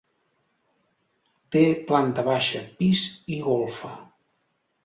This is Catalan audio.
Té planta baixa, pis i golfa.